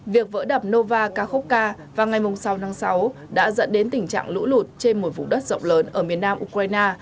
việc vỡ đập nova kakhokka vào ngày sáu tháng sáu đã dẫn đến tình trạng lũ lụt trên một vùng đất rộng lớn ở miền nam ukraine